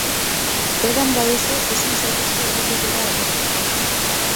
Edan baduzu ezin zaitezke errepidera atera.